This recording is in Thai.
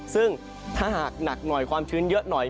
ซึ่งถ้าหากหนักหน่อยความชื้นเยอะหน่อย